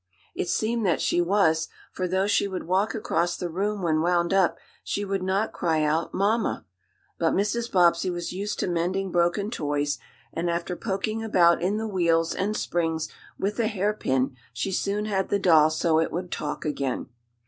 It seemed that she was, for though she would walk across the room when wound up, she would not cry out "Mamma!" But Mrs. Bobbsey was used to mending broken toys, and after poking about in the wheels and springs with a hairpin she soon had the doll so it would talk again.